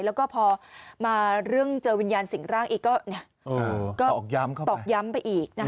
แล้วก็พอมาเรื่องเจอวิญญาณสิ่งร่างอีกก็ตอกย้ำไปอีก